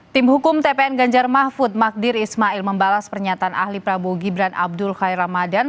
tim hukum tpn ganjar mahfud magdir ismail membalas pernyataan ahli prabowo gibran abdul khair ramadan